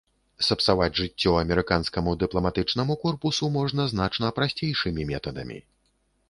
Сапсаваць жыццё амерыканскаму дыпламатычнаму корпусу можна значна прасцейшымі метадамі.